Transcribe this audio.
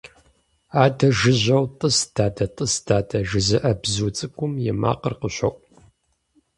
Адэ жыжьэу «тӏыс дадэ, тӏыс дадэ» жызыӏэ бзу цӏыкӏум и макъыр къыщоӏу.